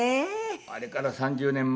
あれから３０年。